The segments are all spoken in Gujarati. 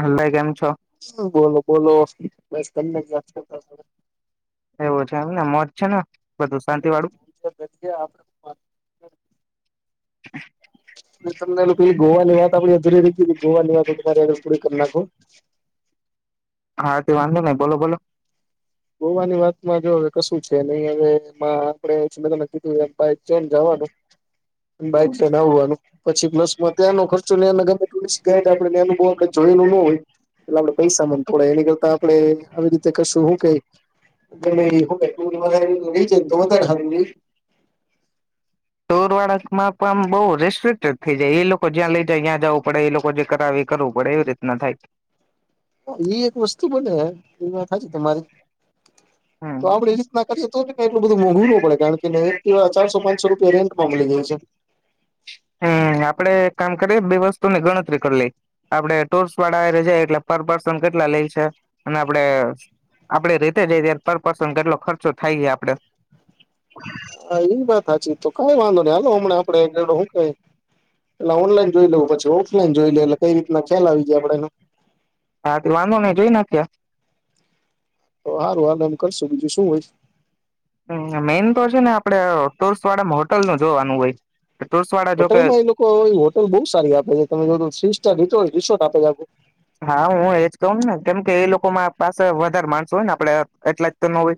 અલ્લા [unintelligible] કેમ શુ બોલો બોલો યાદ કર ના મરછ ન [unintelligible] આપ [unintelligible] [inaudible] તમને લોકો ગોવાની વાત આપે અધૂરી ર ગોવાની વાત હોય તમારી આગળ પૂરી કરી નાખો. હા તે વાંધો નહી બોલો બોલો. ગોવાની વાતમાં જો હવે કશું છે નહી હવેમાં આપણે મે કીધું એમ. ભાઈ ચન જવાનું. બાઈક ટ્રેન આવવાનું, પછી્લસમાં ત્યાંનો ખર્ચો્યાગમે ટુરિસ્ટ ગાઈડ આપડનું આપ જો જો એ ન હોય, એટલે આપડે પૈસા મ થડે એની કરતા આપડે આવી રીતે કશું શું કઈ. મે ટુર લઈ જ તો વધારે હારૂ. ટોરવાળક માં પણ બઉ રેસ્ટ્રિક્ટેડ થઈ જાય એ લોકો જ્યાં લઇ જાય ત્યાં જવું પડે એ લોકો જે કરાવે એ કરવું પડે એવી રીત ના થાય. એ એક વસ્તુ બને એ થા છે તમારી. હમ. [unintelligible] [unintelligible] હમ આપડે કામ કરીએ બે વસ તોની ગણતરી કરી લઈ, આપડે ટુર્સ વાળા જ એટલે પર પર્સન કેટલા લઈ છે, અને આપડે આપડે રીતે જઈ ત પર પર્સન કેટલો ખર્ચો થાય જાય આપડે. હા એ વાત સાચી તો કઈ વાંધો ન હાલો હમણાં આપડેડો શું કઈ. એટલે ઓનલાઈન જોઈ લેવું પછી ઓફલાઈન જોઈ લે એટલે કઈ રીતના ખ્યાલ આવી જાય આપડે એનો. હા વાંધો નઈ જોઈ નાખ્યા. તો સારું હાર એમ કરશું બીજું શું હોય. મેઈન તો છે ને આપડે તરસવાડમાં હોટલ ન જોવાનું હોઈ હોટલમાં એ લોકો હોટલ બહુ સારી આપે છે તમે જો તો થ્રી સાર રિસોર્ટ આપે છે હા હું એજ કહ ને કેમ કે એ લોકો પાસે વધારે માણસો હોય ને આપડ એટલા જ તો ન હોય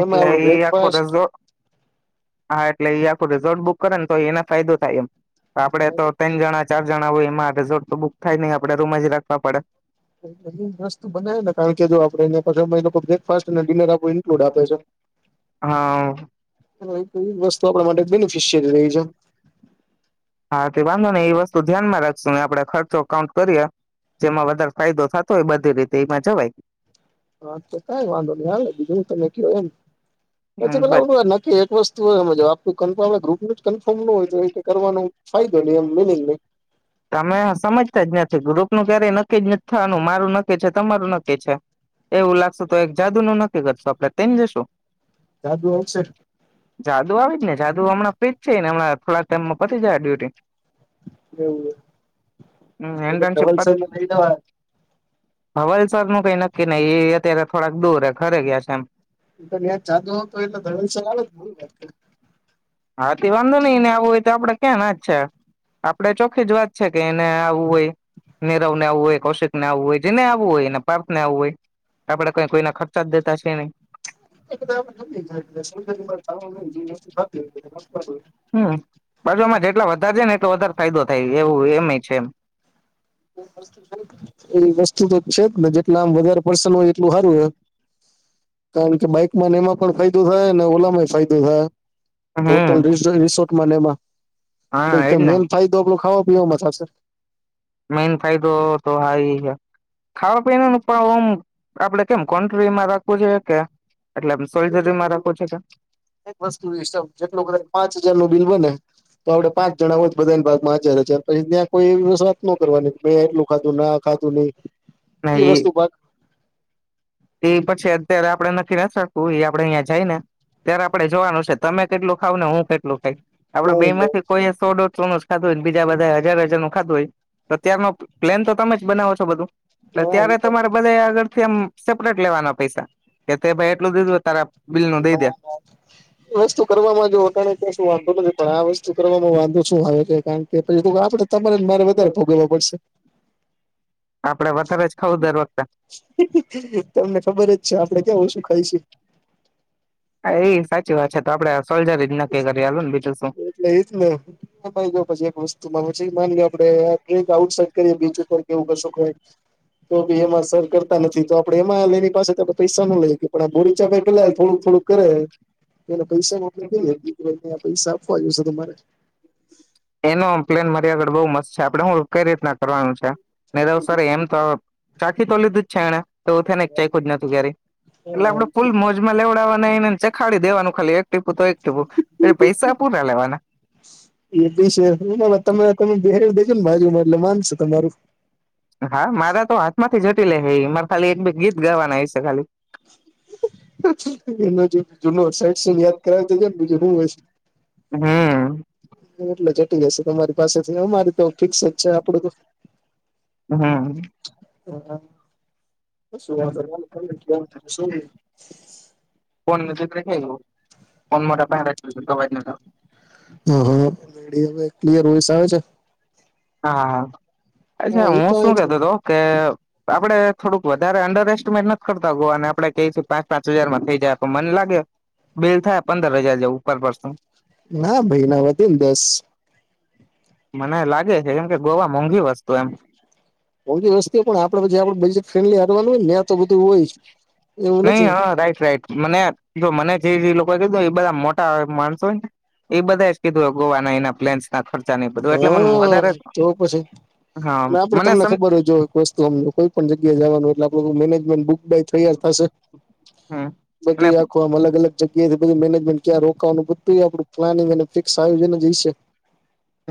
એટલે આખો ર જો હા એટલે એ આખો રિસોર્ટ બુક કરે ને તો એને ફાયદો થાય એમ આપડે તો તન જણા ચાર જણા હોય એમાં રિસોર્ટ તો બુક થાય નહી આપડણે રૂમ જ રાખવા પડે રસ્ત બને ને કારણ કે જો આપડે એ પાછ તો બ્રેકફાસ્ટ અને ડિનર આપ ઇન્ક્લુડ આપે છે હ વસ્તુ આપણા માટે બેનિફિશયરી રહી છે હા તે વાંધો ને એ વસ્તુ ધ્યાનમાં રાખશું ને આપડે ખર્ચો કાઉન્ટ કરીએ જેમાં વધારે ફાયદો થતો હોય બધી રીતે એમાં જવાય હા તો કાંઈ વાંધો નહી હાલ બીજું હું તમે કયો એમ પછી પેલા આવુંય નક્કી એક વસ્તુ ગ્રુપ નું કન્ફર્મ ન હોય કરવાનું ફાયદો નહી એમ મિનિંગ નહી અમે સમજતા જ નથી ગ્રુપ નું ક્યારેય નક્કી જ થવાનું મારું નક્કી છે તમારું નક્કી છે એવું લાગશે તો એક જાદુ નું નક્કી કરશું આપડે તેમઈ જશું જાદુ આવશે જાદુ આવી જ ને જાદુ હમના જ છેઈ ને હમણાં થોડા ટાઈમમાં પતી જાય ડ્યુટી હમ એમ હવાલ સરર નું કઈ નક્કી નહી એ અત્યારે થોડાક દૂર ખરે ગયા છે એમ હ ત્યાં ચાલુ હતો એ તો ધર્સર આવે વાત કર હા તે વાંધો નઈને આવું હોય તો આપડે ક્યાં ના જ છ આપડે ચોખ્ખી જ વાત છે કે એને આવું હોય નીરવ ને આવવું હોય કૌશિક ને આવવું હોય જેને આવવું હોય એને પાપ ને આવું હોય આપડે કઈ કોઈના ખર્ચા જ દેતા છે નહી હમ બાજુમાં જેટલા વધારે છે ને એટલો વધારે ફાયદો થાય એવું એમ છે એમ એ વસ્તુ તો છે જ ને જેટલા આમ વધારે પર્સન હોય એટલું સારું હોય કારણ કે બાઈક માં એમાં પણ ફાયદો થાય ઓલા માં ફાયદો થાય હોટલ રિસોર્ટ મનેમાં મેલ થાય તો આપલું ખાવા પીવા મ છે મેન ફાયદો તો હા ઈ હે ખાવા પીવા ન પણ ઓમ આપડે કેમ કોનટ્રીમાં રાખવું છે કે એટલે સોરીમાં [unintelligible] એક વસ્તુ હિસાબ જેટલો કદાચ પાંચ હજાર નું બિલ બને તો આપડે પાંચ જણા હોય જ બધાને ભાગમાં હજાર હજાર છે પછી ત્યાં કોઈ સાતનો કરવા મેં એટલું ખાધું ના ખાધું નહી જે વસ્તુ એ પછી અત્યારે આપડે નથી નાતા આપડે અહીંયા જાય ને ત્યારે આપડે જોવાનું છે તમે કેટલું ખાવુ ને હું કેટલું ખાઈ આપડ બે માંથી કોઈ સો ઠોડસો ખાત હોયને બીજાધા હજાર હજાર નું ખાધું હોય ત્યારનો પ્લેન તો તમે જ બનાવો છો બધું ત્યારે તમારે બધા આગળથી આમ સેપરેટ લેવાના પૈસા કે તે ભાઈ એટલું દીધું તારા બિલ નું દઈ દે વસ્તુ કરવાવામાં જો ક્યાં શું વાંધો નથી પણ આ વસ્તુ કરવામાં વાંધો શું આવે છે કારણ કે નહીતો આપડે તમારેને મારે વધારે ભોગવવા પડશે તમને ખબર જ છે આપડે એ સાચી વાત છે તો આપડે નકકી કરીએ હાલોને ભાઈ એટલે એજ [unintelligible] પછી એક વસ્તુ [unintelligible] માની આપડે આઉટ સાઇડ કરી બીચ ઉપર કેવું કશું કઈ તો ભી એમાં સર કરતા નથી તો આપડે એમાં લ એની પાસે તો આપ પૈસા ન લઈ અંકીએ પણ આ બોરી ચારે પેલા થોડું થોડું કરે એલે પૈસામાં અમમે કઈએ કે ભાઈ પૈસા આપવા આવ્યું છે તમારે એનો પ્લેન મારી આગળ બો મસ્ત છે, આપડે હું કઈ રીતના કરવાનું છે. નહી તો સર એમ તો ચાખી તો લીધું જ છે, એણે તો છે, ને ચખયું જ નતું કયારે એટલે આપડે ફૂલ મોજમાં લેવડાવવાને એને ચખાડી દેવાનું ખાલી ટીપુ તો એક ટીપુ પૈસા પૂરાના લેવાના એ બી છે, તમે [unintelligible] બાજુમાં એટલે માનશે તમારું હા મારા તો હાથ માંથી જટી લેહે ઈ મારે ખાલી એક બે ગીત ગાવાના હશે ખાલી એનો જૂ જૂનો શેટ યાદ કરાવી દેજો તો બીજું શું હસ હમ. એટલે જટી લેશે તમારી પાસેથી અમારે તો ફિક્સ જ છે, આપડું તો હમ. [inaudible] [inaudible] ફોન નજીક રાખી [unintelligible] ફોન મારા પાહે [unintelligible] અવાજ નથી આવ હા [unintelligible] ક્લીયર વોઈસ આવે છે. હા અચ્છા હું શું કેતો હતો કે? આપડે થોડુંક વધારે અંડર એસ્ટિમેટ નથી કરતા ગોવાને આપડે કેઈ પાચ પાંચ હજારમાં થઈ જાય તો મને લા ગે બિલ થાય પંદર હજાર જેવું પર પર્સન ના ભાઈ ના વધી ને દસ મને લાગે છે, કેમ કે ગોવા મોંઘી વસ્તુ એમ મોગી વસ્તુ પણ આપડે પછી આપડે બજેટ ફ્રેન્ડલી હારવાનું હોય ને તો બધું હોય નહી હા રાઈટ રાઈટ મને જો મને જે જે લોકો કીધું એ બધા મોટા માણસો હોય ને એ બધા જ કીધું ગોવાના એના પ્લેન્સના ખ હા તો પછી અને આપડે તમને ખબર હોય જો વસ્તુ આમ કોઈ પણ જગ્યાએ જવાનું એટલે આપણુ મેનેજમેન્ટ બુક બાય થયાર થાશે બધું આખો આમ અલગ અલગ જગ્યાથી બધી મેનેજ મેનટ ક્યાં રોકવાનું બધું આપણું પ્લાનિંગ ફિક્સ આયોજન જઈશે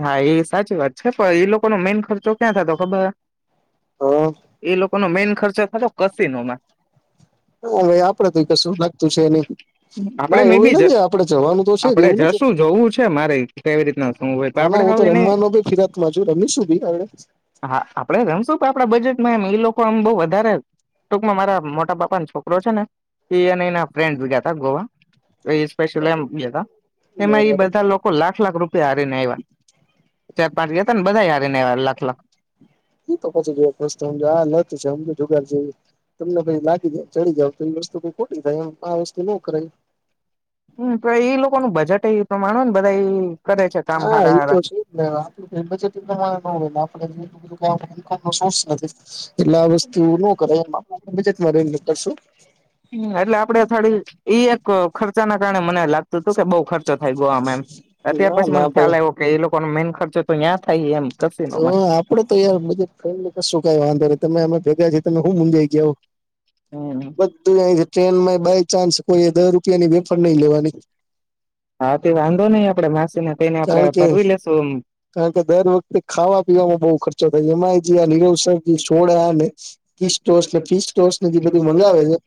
હા એ સાચી વાત છે પણ એ લોકો ન મેઈન ખર્ચો ક્યાં થતો ખબર એ લોકોનો મેન ખર્ચો થતો કસીનોમાં આપડે મે બી જ આપણેે [unintelligible] જશું જવું છે તો જઈશું છે, મારે કેવી રીતના શું હોય તો આપડે હાવ એને [inaudible] હા આપડે નામ શું? આપડા બજેટમાં એમ લોકો આમ બહુ વધારે ટૂંકમાં મારા મોટા પાપાને છોકરો છે ને એ એના ફ્રેન્ડ ગયા ગોવા એ સ્પેશિયલ એમ કેતા એમાં ઈ બ લોકો લાખ લાખ રૂપિયા હારીને આવ્યા ચાર પાંચ ગયા તા ને બધાય હારીને આવ્યા લાખ લાખ તો પછી જો સમજાય આ લત છે સમજો જુગાર જેવી તમને પછી લાગે ચડી જાવ તો એ વસ્તુ કઈ ખોટી થાય આમ આ વસ્તુ નો કરાય. હમ પણ એ લોકો નું બજેટ એ ઈ પ્રમાણ ને ને બધા એ કરે છે કામ હારા હારા એ બજેટમાં ન હોય ને આપણે એટલું બધું કામ હોય ને નથી એટલે વસ્તુ ન કર બેમાં રું [inaudible] [unintelligible] હ એટલે આપડે થાડી ઈ એક ખર્ચાના કારણે મને લાગતું હતું કે બઉ ખર્ચો થાય ગોવામાં એમ. અત્યાર પછી મને ખ્યાલ આવ્યો કે એ લોકો ન મેઈન ખર્ચો તો ઈયાં થાય એમ. તો આપડે તો યાર મદદ કરેલી કશું કઈ વાંધો નઈ તમે જગ્યા છે તમે હું મુંજાઈ ગયા. હમ. હા તે વાંધો નઈ આપડે માસીને કઈને આપણે ફરવી લેશું. કારણ કે દર વખતે ખાવા પીવામાં બહુ ખર્ચો થાય એમાં જે આ નીરવસરજી છોડ્યા ને. ચીઝ ટોસને ફીશોસ ને જે બધું મંગાવે છે.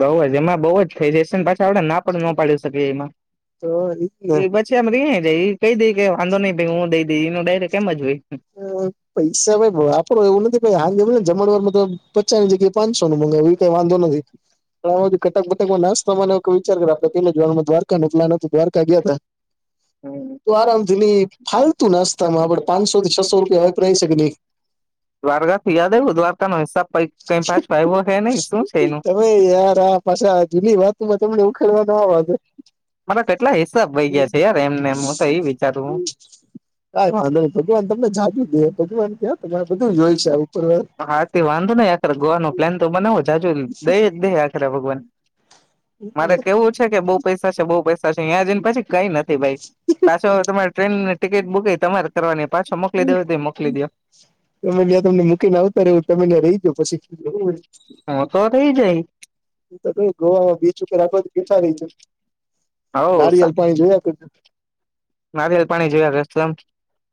બઉ જ એમાં બઉ જ ફફેશન એમાં આપડે ના પણ ન પાડી શકીએ એમાં. એ પછી આમ રિહાઈ જાય એ કઈ દે કે વાંધો નહી હું દઈ દઇ એ ન દે ડાયરેક એમ જ હોય. પૈસા ભાઈ વાપરો એવું નથી કઈ હાલ નથી લેવું જમણવારમાં તો પચાની જગ્યાએ પાંચસો નું. મ એવી કઈ વાંધો નથી. પણ અધી કટક બટકમાં નાસતા થવાના વિચાર કર આપડે [unintelligible] દ્વારકાનો પ્લાન હતો દ્વારકા ગયા તા હમ્મ [inaudible] હાલતું નાસ્તામાં આપડે પાંસો થી છસો રૂપિયા હપરાઈશકની દ્વારગાથી યાદ આઈવું દ્વારકાનો હિસાબ પઇ કઈ પાચ પાઈવો હે નઈ શું છે, એનું? હા પાશા જૂની વાત મ [inaudible] મારા કેટલા હિસાબ વઈ ગ્યા છે, યાર એમનેમ હું તો એ વિચારું હું કાઈ વાંધોની ભગવાન તમને જાદુ દે ભગવાન ક્યા [inaudible] હા તે વાંધો નઈ અત્રે ગોવાનો પ્લેન તો બનાવો જાજુ દઈ દે આખરે ભગવાન મારે કેવું છે, કે બૌ પૈસા છે, બૌ પૈસા છે, અયાં જૈન પછી કઈ નથી ભાઈ પાછો તમારે ટ્રેનની ટિકિટ બુકી તમારે કરવાની પાછો મોકલી દેવો તો મોકલી દયો [inaudible] ઓ તો રેય જય ઉતો કવ ગોવાવા બીચ ઉપર આપડે ત બેઠા રઈ છે. નારિયલ પાણી જોવા [unintelligible] નારીયલ પાણી જેવા [unintelligible]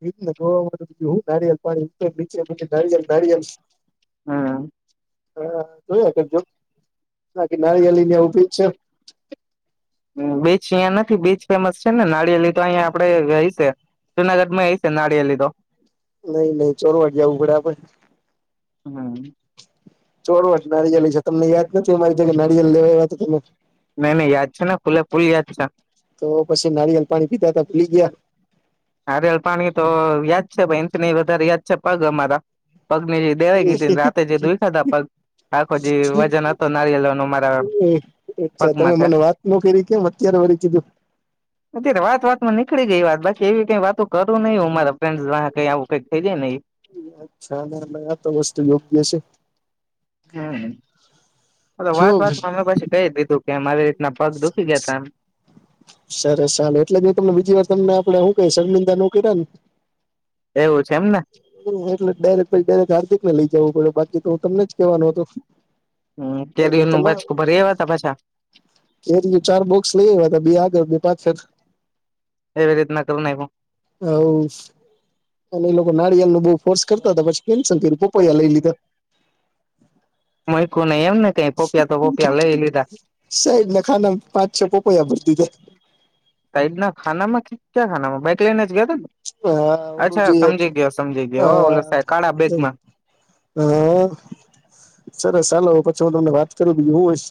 ઇતને ગોવામાં તો બીજું હું નારિયલ પાણી ઉપર નીચે બધે નારિયલ નારિયલ [inaudible] હા જોયો કે જો બાકી નારિયેલી ને ઉભી જ છે. હમ્મ બે છીએ ને ખી બીચ ફેમસ છે, ને નાડીયેલી તો અહીયા આપડેય વેહી છે, જુનાગઢમા એ છે, નાડીયેલીતો નઈ નઈ ચોર વાગ્યે આવું પડે આપડે હમ્મ ચોર જ નારિયળ છે તમને યાદ નથી અમારી જગ્યા નારિયળ લેવા આવ્યા તમે. [unintelligible] નહી નહી યાદ છે, ને ફુલે ફુલ યાદ તો પછી નારિયળ પાણી પીધ તા પીલી ગયા. નારીયેલ પાણી તો યાદ છે, ભાઈ [unintelligible] વધારે યાદ છે, પગ અમારા પગની જે દેવાઈ ગી રાતે જે દુયખાતા પગ અચ્છા તમે મને વાત ન કરી કેમ અત્યારે વળી કીધું અત્યારે વાત વાતમાં નીકળી ગઈ વાત એવી કઈ વાતો કરું નહી હું મારા ફ્રેન્ડસ ના હાથે આવું કઈ થઈ જાય ને ઈ અચ્છા ના ના તો વસ્તુ યોગ્ય છે. હમ એતો વાત વાત અમે પછી કેય દીધું કે મારી ના પગ દુઃખી જતા એમ સરસ સારુ એટલે મે તમને બીજી વાર તમને આપડે હું કેઈ શર્મિંદા નોકયરા ને [inaudible] એટલે ડાયરેક્ટ પહી ડાયરેક્ટ હાર્દિક ને લઈ જાવુ પડે બાકી તો હું તમને જ કેવાનો હતો. હ ત્યારે એનુ બાચકુ ભરી આયવા તા પાછા એજ વિચાર બોક્સ લઈ આવ્યા હતા બે આગળ બે પાછળ એવી રીતના કરી નાયખુ નાળિયલનું બો ફોર્સ કરતા હતા પછી કેન્શન કર્યું તો પૈહા લઈ લીધા મયકો નહિ એમને કય પણ પિયા તો વો પિયા લઈ લીધા સાઈડના ખાનામાં કે કયા ખાનામાં બેક લઈને હા ઓલું જે હતું હા હા સરસ ચાલો પછી હું તમને વાત કરું બીજુ હુંશ